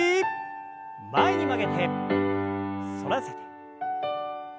前に曲げて反らせて。